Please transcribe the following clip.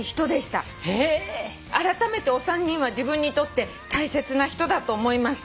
「あらためてお三人は自分にとって大切な人だと思いました」